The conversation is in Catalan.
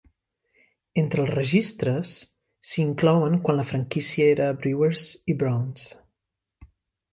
Entre els registres s"hi inclouen quan la franquícia era Brewers i Browns.